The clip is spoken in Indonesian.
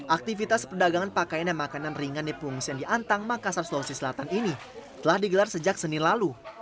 aktivitas perdagangan pakaian dan makanan ringan di pengungsian di antang makassar sulawesi selatan ini telah digelar sejak senin lalu